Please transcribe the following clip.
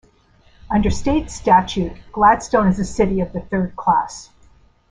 Under state statute, Gladstone is a city of the third class.